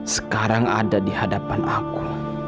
sekarang ada di hadapan aku